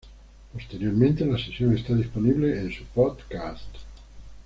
Posteriormente, la sesión está disponible en su podcast.